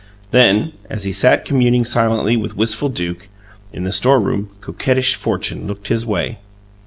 Then, as he sat communing silently with wistful Duke, in the storeroom, coquettish fortune looked his way.